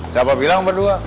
siapa bilang berdua